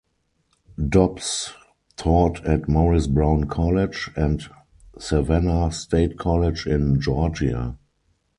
Dobbs taught at Morris Brown College and Savannah State College in Georgia.